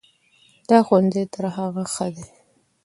دا ښوونځی تر هغه ښه ده.